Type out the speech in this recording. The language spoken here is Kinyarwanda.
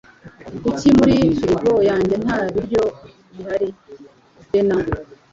Kuki muri firigo yanjye nta biryo bihari? (bena)